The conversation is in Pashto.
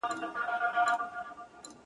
بیا نو ولاړ سه آیینې ته هلته وګوره خپل ځان ته،